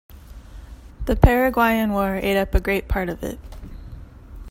The Paraguayan War ate up a great part of it.